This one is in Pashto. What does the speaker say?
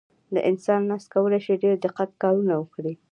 د انسان لاس کولی شي ډېر دقیق کارونه وکړي.